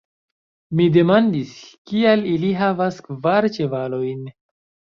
Mi demandis, kial ili havas kvar ĉevalojn.